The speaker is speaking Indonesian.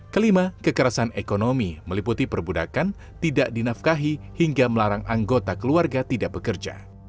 kelima kekerasan ekonomi meliputi perbudakan tidak dinafkahi hingga melarang anggota keluarga tidak bekerja